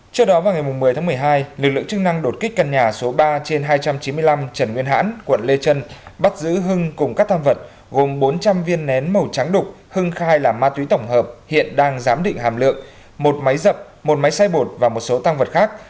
trước đó vào ngày một mươi tháng một mươi hai lực lượng chức năng đột kích căn nhà số ba trên hai trăm chín mươi năm trần nguyên hãn quận lê trân bắt giữ hưng cùng các tham vật gồm bốn trăm linh viên nén màu trắng đục hưng khai là ma túy tổng hợp hiện đang giám định hàm lượng một máy dập một máy xay bột và một số tăng vật khác